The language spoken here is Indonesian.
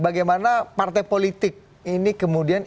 bagaimana partai politik ini kemudian